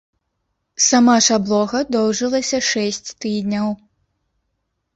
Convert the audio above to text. Сама ж аблога доўжылася шэсць тыдняў.